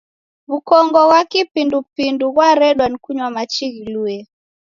W'ukongo ghwa kipindupindu ghwaredwa ni kunywa machi ghilue.